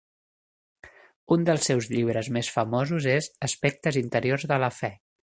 Un dels seus llibres més famosos és "Aspectes interiors de la fe".